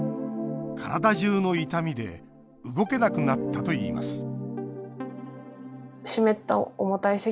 体じゅうの痛みで動けなくなったといいます